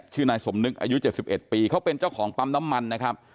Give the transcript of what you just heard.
นายสมนึกอายุ๗๑ปีเขาเป็นเจ้าของปั๊มน้ำมันนะครับ